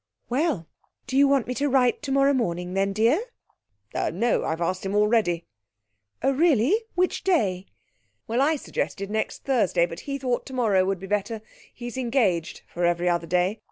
'Well, do you want me to write tomorrow morning then, dear?' 'Er no I have asked him already.' 'Oh, really which day?' 'Well, I suggested next Thursday but he thought tomorrow would be better; he's engaged for every other day.